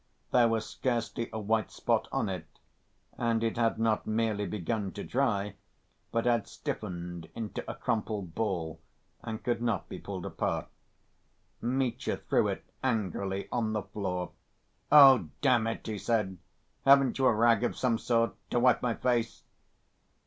There was scarcely a white spot on it, and it had not merely begun to dry, but had stiffened into a crumpled ball and could not be pulled apart. Mitya threw it angrily on the floor. "Oh, damn it!" he said. "Haven't you a rag of some sort ... to wipe my face?"